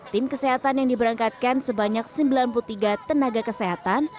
tim kesehatan yang diberangkatkan sebanyak sembilan puluh tiga tenaga kesehatan